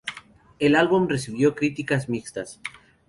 El álbum recibió críticas mixtas.